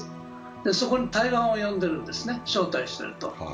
そこに台湾を呼んでいるんですね、招待すると。